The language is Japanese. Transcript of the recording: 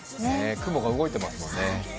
雲が動いてますもんね。